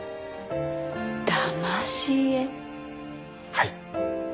はい。